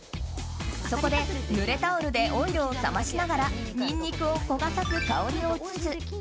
そこで、ぬれタオルでオイルを冷ましながらニンニクを焦がさず香りを移す。